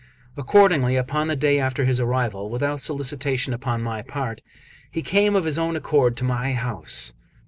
Accordingly, upon the day after his arrival, without solicitation upon my part, he came of his own accord to my house.